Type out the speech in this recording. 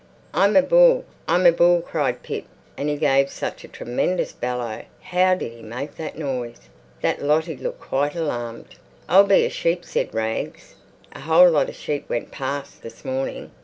"I'm a bull, I'm a bull!" cried Pip. And he gave such a tremendous bellow—how did he make that noise?—that Lottie looked quite alarmed. "I'll be a sheep," said little Rags. "A whole lot of sheep went past this morning."